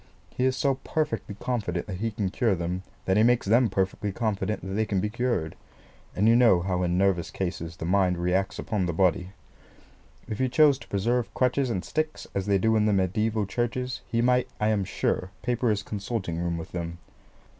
He is so perfectly confident that he can cure them, that he makes them perfectly confident that they can be cured; and you know how in nervous cases the mind reacts upon the body. If he chose to preserve crutches and sticks, as they do in the mediaeval churches, he might, I am sure, paper his consulting room with them.